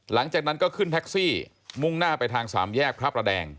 หลังจากนั้นก็ขึ้นแท็กซี่มุ่งหน้าไปทางสามแยกพระประแดง